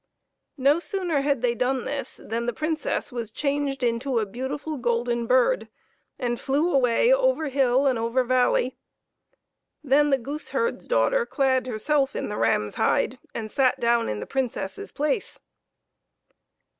No sooner had they done this than the Princess was changed into a beautiful golden bird, and flew away over hill and over valley. Then the goose herd's daughter clad herself in the ram's hide, and sat down in the Princess's place.